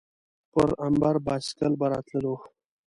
پر امبر بایسکل به راتللو.